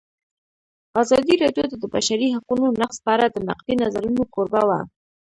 ازادي راډیو د د بشري حقونو نقض په اړه د نقدي نظرونو کوربه وه.